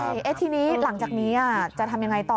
ใช่ทีนี้หลังจากนี้จะทำยังไงต่อ